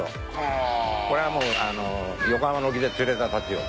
これはもう横浜の沖で釣れたタチウオ。